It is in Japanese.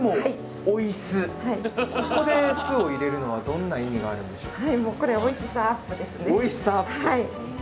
ここで酢を入れるのはどんな意味があるんでしょうか？